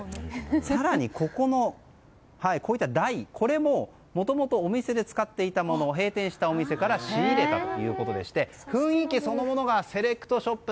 更にこういった台これも、もともとお店で使っていたものを閉店したお店から仕入れたということで雰囲気そのものがセレクトショップ